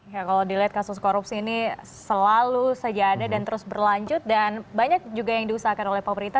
ya kalau dilihat kasus korupsi ini selalu saja ada dan terus berlanjut dan banyak juga yang diusahakan oleh pemerintah